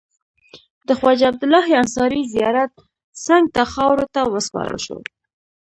د خواجه عبدالله انصاري زیارت څنګ ته خاورو ته وسپارل شو.